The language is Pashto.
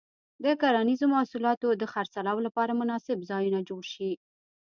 د کرنیزو محصولاتو د خرڅلاو لپاره مناسب ځایونه جوړ شي.